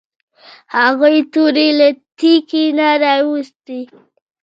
هغوی تورې له تیکي نه راویوستې.